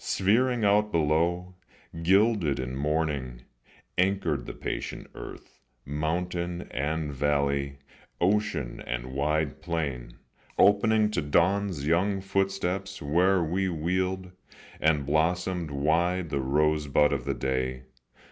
Sphering out below, Gilded in morning, anchored the patient earth, Mountain and valley, ocean and wide plain, Opening to dawn's young footsteps where we wheeled, And blossomed wide the rosebud of the day.